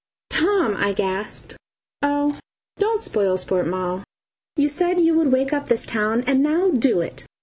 "Tom!" I gasped. "Oh, don't spoil sport, Moll! You said you would wake up this town, and now do it.